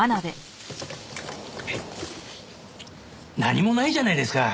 何もないじゃないですか。